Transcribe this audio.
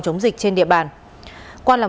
số tiền đòi được